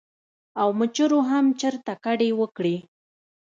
او مچرو هم چرته کډې وکړې ـ